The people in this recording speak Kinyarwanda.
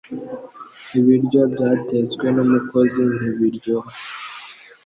ibiryo byatetswe n'umukozi ntibiryoha